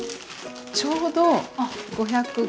ちょうど５００が。